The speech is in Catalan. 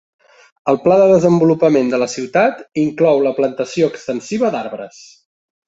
El pla de desenvolupament de la ciutat inclou la plantació extensiva d'arbres.